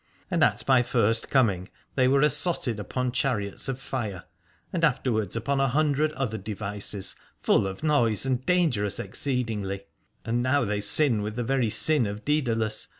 And at my first coming they were assotted upon chariots of fire, and afterwards upon a hundred other devices, full of noise and dangerous exceed ingly : and now they sin with the very sin of Doedalus.